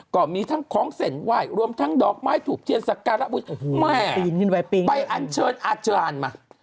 ก็มีทั้งของเศรษฐ์ไหว้รวมทั้งดอกไม้ถูกเทียนสการะพุทธแม่ไปอัญเชิญอาจารย์มา